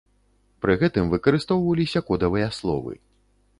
Пры гэтым выкарыстоўваліся кодавыя словы.